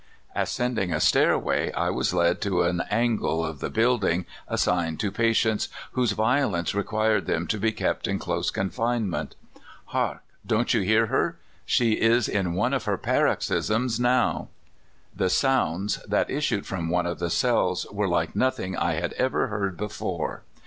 Ascending a stairway, I was led to an angle of the building assigned to patients whose violence required them to be kept in close confinement. *' Hark! don't you hear her? She is in one of her paroxysms now." THE CALIFORNIA MADHOUSP:. 1 59 The sounds that issued from one of the cells were like nothing I had ever heard before.